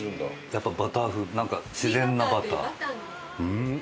やっぱバター風味なんか自然なバター。